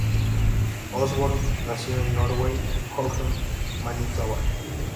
Osborne nació en Norway House, Manitoba.